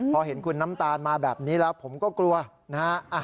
พอเห็นคุณน้ำตาลมาแบบนี้แล้วผมก็กลัวนะฮะ